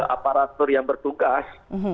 aparatur yang bertugas